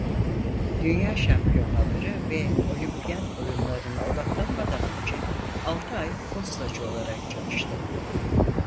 Dünya Şampiyonaları ve Olimpiyat Oyunları'na odaklanmadan önce altı ay postacı olarak çalıştı.